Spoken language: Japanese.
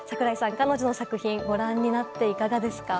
彼女の作品ご覧になっていかがですか？